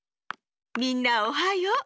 みんなおはよう。